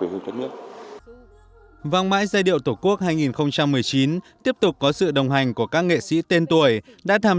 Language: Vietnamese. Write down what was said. chương trình vang mãi giai điệu tổ quốc hai nghìn một mươi chín tiếp tục có sự đồng hành của các nghệ sĩ tên tuổi đã tham